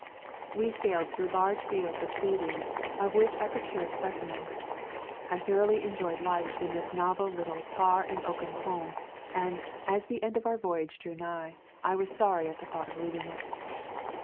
We sailed through large [ 183 ] A Thousand Mile V alk fields of seaweed, of which I procured speci mens. I thoroughly enjoyed life in this novel little tar and oakum home, and, as the end of our voyage drew nigh, I was sorry at the thought of leaving it.